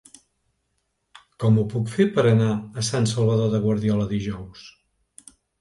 Com ho puc fer per anar a Sant Salvador de Guardiola dijous?